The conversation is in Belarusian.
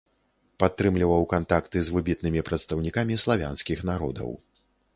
Падтрымліваў кантакты з выбітнымі прадстаўнікамі славянскіх народаў.